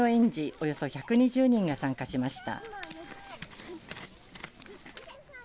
およそ１２０人が参加しました。